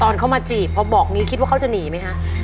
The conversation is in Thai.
เข้ามาจีบพอบอกนี้คิดว่าเขาจะหนีไหมคะ